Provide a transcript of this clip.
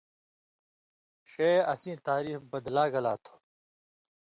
ݜیں اسی تعریف بَدلا گلاں تھو۔